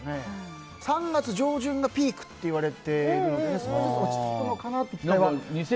３月上旬がピークと言われているので少しずつ落ち着くのかなという。